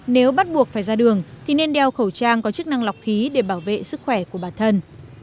nếu bắt buộc phải ra đường thì nên đeo khẩu trang có chức năng lọc khí để bảo vệ sức khỏe của bản thân